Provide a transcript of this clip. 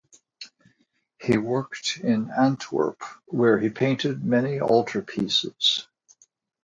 He worked in Antwerp where he painted many altarpieces.